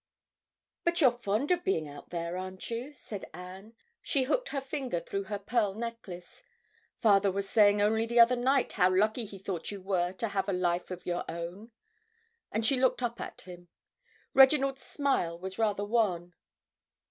"But you're fond of being out there, aren't you?" said Anne. She hooked her finger through her pearl necklace. "Father was saying only the other night how lucky he thought you were to have a life of your own." And she looked up at him. Reginald's smile was rather wan.